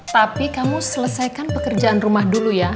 tapi kamu selesaikan pekerjaan rumah dulu ya